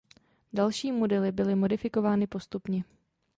Další modely byly modifikovány postupně.